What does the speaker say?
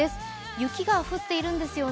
雪が降っているんですよね。